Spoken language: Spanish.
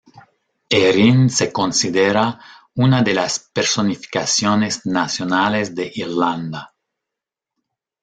Erin se considera una de las personificaciones nacionales de Irlanda.